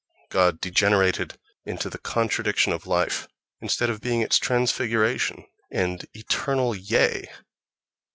God degenerated into the contradiction of life. Instead of being its transfiguration and eternal Yea!